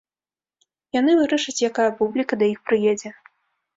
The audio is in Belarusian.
Яны вырашаць, якая публіка да іх прыедзе.